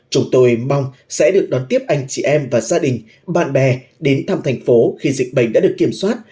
chúng tôi mong sẽ được đón tiếp anh chị em và gia đình bạn bè đến thăm thành phố khi dịch bệnh đã được kiểm soát